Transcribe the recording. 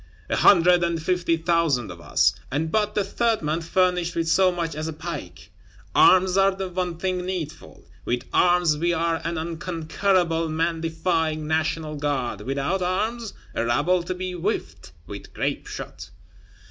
A hundred and fifty thousand of us, and but the third man furnished with so much as a pike! Arms are the one thing needful: with arms we are an unconquerable man defying National Guard; without arms, a rabble to be whiffed with grape shot.